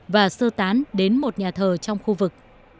và sơ tán đến một nhà thờ trong khu vực